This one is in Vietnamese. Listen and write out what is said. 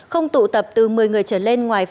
không tụ tập từ một mươi người